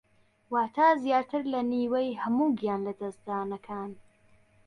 واتە زیاتر لە نیوەی هەموو گیانلەدەستدانەکان